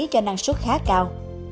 cho năng suất khá cao